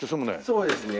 そうですね。